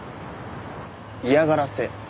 嫌がらせ？